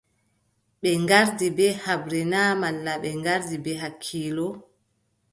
Ɓe ngardi bee haɓre na malla ɓe ngardi bee hakkiilo ?